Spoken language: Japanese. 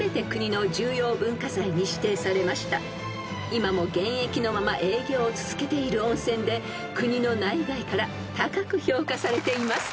［今も現役のまま営業を続けている温泉で国の内外から高く評価されています］